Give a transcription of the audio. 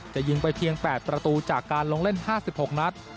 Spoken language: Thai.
จะยิงไปเพียง๘ประตูจากการลงเล่น๕๖นัด